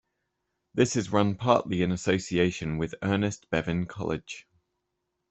This is run partly in association with Ernest Bevin College.